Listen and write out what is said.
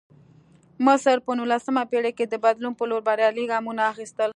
مصر په نولسمه پېړۍ کې د بدلون په لور بریالي ګامونه اخیستل.